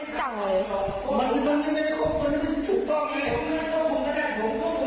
สวัสดีครับครู